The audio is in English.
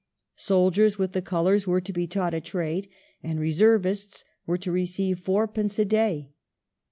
Soldiers with the colours were to be taught a trade, and reservists were to receive fourpence a day.